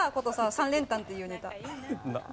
３連単っていうネタ。